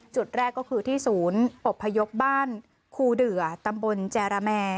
จุดแรกก็คือที่ศูนย์อบพยพบ้านครูเดือตำบลแจรแมร์